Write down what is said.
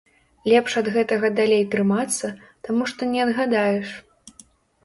Лепш ад гэтага далей трымацца, таму што не адгадаеш.